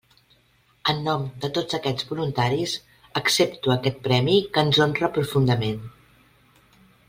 En nom de tots aquests voluntaris accepto aquest premi que ens honra profundament.